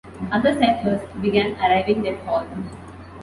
Other settlers began arriving that fall.